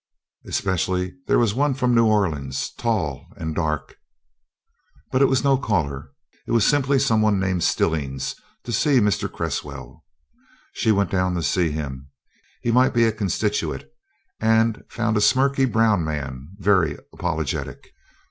Especially was there one from New Orleans, tall and dark But it was no caller. It was simply some one named Stillings to see Mr. Cresswell. She went down to see him he might be a constituent and found a smirky brown man, very apologetic.